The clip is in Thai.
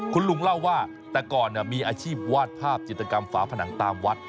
คุณลุงเล่าว่าแต่ก่อนมีอาชีพวาดภาพจิตกรรมฝาผนังตามวัด